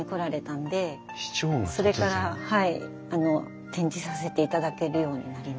それからはい展示させていただけるようになりました。